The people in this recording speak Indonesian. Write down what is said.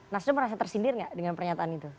nasdo merasa tersindir gak dengan pernyataan itu